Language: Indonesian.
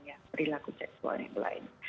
yang berilaku seksual yang lain